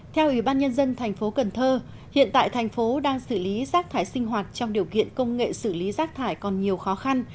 theo ủy ban nhân dân thành phố cần thơ hiện tại thành phố đang xử lý rác thải sinh hoạt trong điều kiện công nghệ xử lý rác thải còn nhiều khó khăn